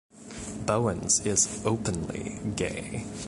Bowens is openly gay.